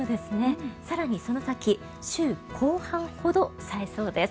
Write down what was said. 更に、その先週後半ほど冴えそうです。